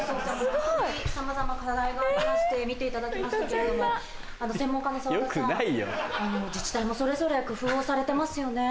さまざま課題がありまして見ていただきましたけれども専門家の長田さん自治体もそれぞれ工夫をされてますよね。